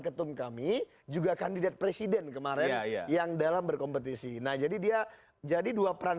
ketum kami juga kandidat presiden kemarin yang dalam berkompetisi nah jadi dia jadi dua peran